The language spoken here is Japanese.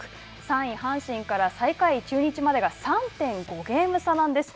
３位阪神から最下位・中日までが、３．５ゲーム差なんです。